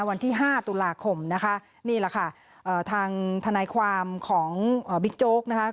วันที่๕ตุลาคมนะคะนี่แหละค่ะทางทนายความของบิ๊กโจ๊กนะคะ